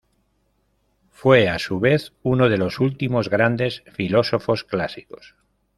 Fue a su vez uno de los últimos grandes filósofos clásicos.